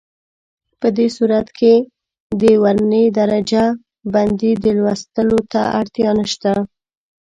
په دې صورت کې د ورنيې د درجه بندۍ لوستلو ته اړتیا نشته.